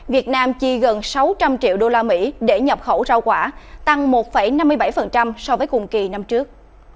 việt nam chi gần sáu trăm linh triệu đô la mỹ để nhập khẩu rau quả tăng một năm mươi bảy so với cùng kỳ năm trước